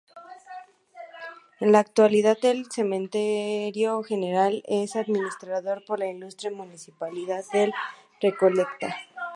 En la actualidad el Cementerio General es administrado por la Ilustre Municipalidad de Recoleta.